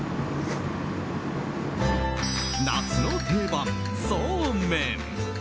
夏の定番、そうめん！